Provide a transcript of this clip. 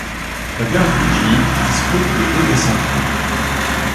La gare d'Uji dispose de deux quais centraux.